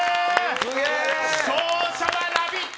勝者は「ラヴィット！」